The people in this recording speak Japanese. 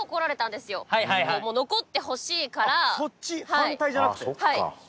反対じゃなくて？